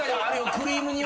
クリーム煮は。